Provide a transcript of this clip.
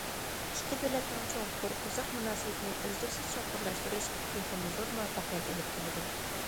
ئىككى دۆلەتنىڭ چوڭقۇر، ئۇزاق مۇناسىۋىتىنى ئۈزلۈكسىز چوڭقۇرلاشتۇرۇش تېخىمۇ زور مۇۋەپپەقىيەت ئېلىپ كېلىدۇ.